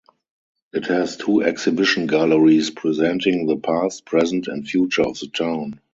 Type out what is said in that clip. It has two exhibition galleries presenting the past, present and future of the town.